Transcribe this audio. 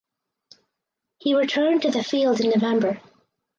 He returned to the field in November.